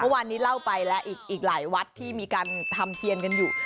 เมื่อวานนี้เล่าไปแล้วอีกหลายวัดที่มีการทำเทียนกันอยู่